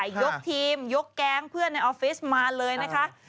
ยกทีมยกแก๊งเพื่อนในออฟฟิศมาเลยนะคะ